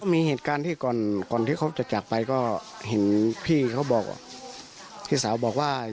มีเหตุการณ์ที่ก่อนก่อนที่เขาจะจากไปก็เห็นพี่เขาบอกพี่สาวบอกว่า